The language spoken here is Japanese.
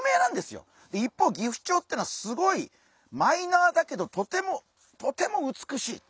一方ギフチョウっていうのはすごいマイナーだけどとてもとても美しい。